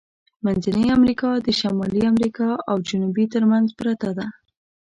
منځنۍ امریکا د شمالی امریکا او جنوبي ترمنځ پرته ده.